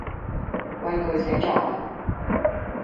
畏懼寫作文